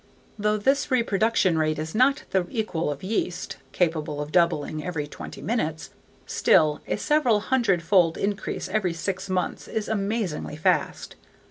Though this reproductive rate is not the equal of yeast (capable of doubling every twenty minutes), still a several hundred fold increase every six months is amazingly fast.